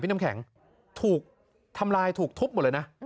พี่นำแข็งถูกทำลายถูกทุบตัวเลยนะ